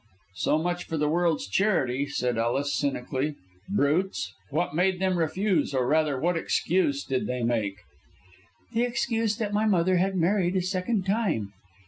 "So much for the world's charity," said Ellis, cynically. "Brutes! what made them refuse, or, rather, what excuse did they make?" "The excuse that my mother had married a second time.